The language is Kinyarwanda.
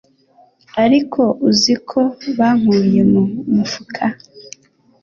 Ariko uziko bankuye mu mufuka,